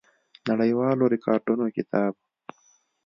نړیوالو ریکارډونو کتاب